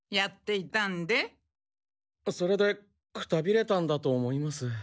それでくたびれたんだと思います。